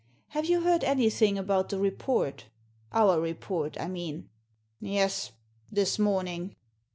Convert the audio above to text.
Have you heard anything about the report — our report I mean?" "Yes. This morning.